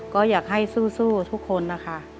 ก็อยากให้สู้ทุกคนนะคะ